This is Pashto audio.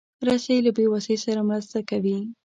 رسۍ له بېوسۍ سره مرسته کوي.